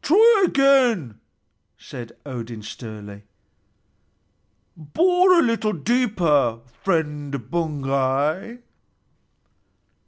"Try again," said Odin sternly. "Bore a little deeper, friend Baugi."